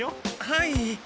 はい。